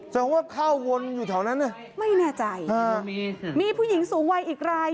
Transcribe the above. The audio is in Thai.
แสดงว่าเข้าวนอยู่แถวนั้นน่ะไม่แน่ใจมีผู้หญิงสูงวัยอีกราย